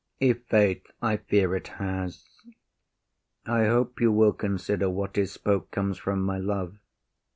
IAGO. Trust me, I fear it has. I hope you will consider what is spoke Comes from my love.